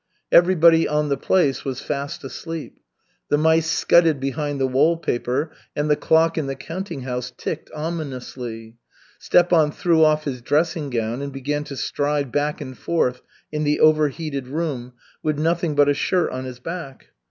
Everybody on the place was fast asleep. The mice scudded behind the wall paper and the clock in the counting house ticked ominously. Stepan threw off his dressing gown, and began to stride back and forth in the overheated room, with nothing but a shirt on his back.